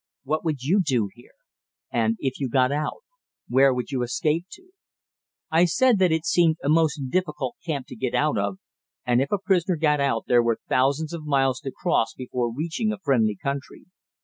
What would you do here? and if you got out, where would you escape to?" I said that it seemed a most difficult camp to get out of, and if a prisoner got out there were thousands of miles to cross before reaching a friendly country.